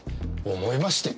思いましてって。